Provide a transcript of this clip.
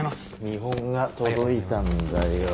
見本が届いたんだよ